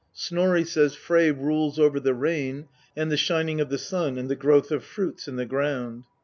Snorri says: " Frey rules over the rain, and the shining of the sun and the growth of fruits in the ground."